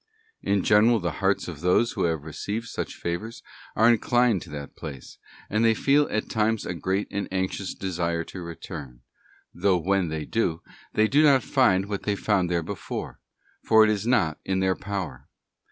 In general the hearts of those who have received | such favours are inclined to that place, and they feel at times a great and anxious desire to return; though when they do, they do not find what they found there before; for it is not in their power.